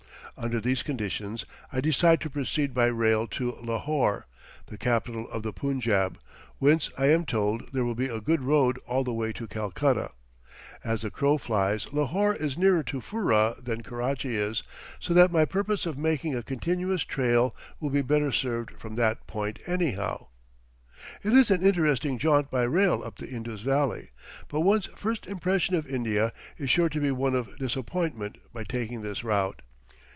Under these conditions I decide to proceed by rail to Lahore, the capital of the Punjab, whence, I am told, there will be a good road all the way to Calcutta. As the crow flies, Lahore is nearer to Furrah than Karachi is, so that my purpose of making a continuous trail will be better served from that point anyhow. It is an interesting jaunt by rail up the Indus Valley; but one's first impression of India is sure to be one of disappointment by taking this route.